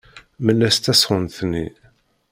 Mel-as tasɣunt-nni.